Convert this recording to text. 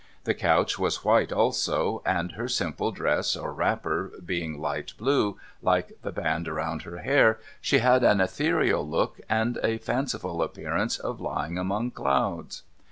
The couch was white too ; and her simple dress or wrapper being light blue, like the band around her hair, she had an ethereal look, and a fanciful appearance of lying among clouds.